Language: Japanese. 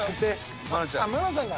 愛菜さんが。